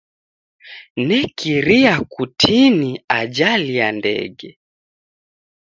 Nekiria kutini ajali ya ndege.